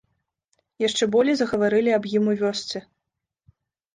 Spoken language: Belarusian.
Яшчэ болей загаварылі аб ім у вёсцы.